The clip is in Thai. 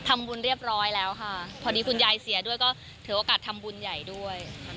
ทำบุญเรียบร้อยแล้วค่ะพอดีคุณยายเสียด้วยก็ถือโอกาสทำบุญใหญ่ด้วย